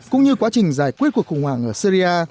cũng như quá trình giải quyết cuộc khủng hoảng ở syria